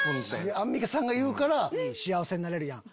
アンミカさんが言うから幸せになれるやん。